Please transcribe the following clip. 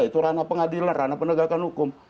itu rana pengadilan rana penegakan hukum